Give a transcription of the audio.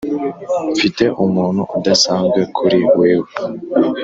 mfite umuntu udasanzwe kuri wewe